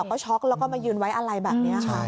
ก็ช็อกแล้วก็มายืนไว้อะไรแบบนี้ค่ะ